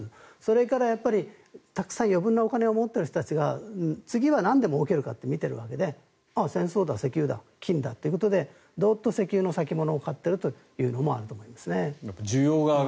それからたくさん余分なお金を持っている人たちが次は何でもうけるかって見ているわけで戦争だ、石油だ金だということで石油の先物を買っているということもあると思います。